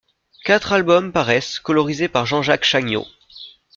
Quatre albums paraissent, colorisés par Jean-Jacques Chagnaud.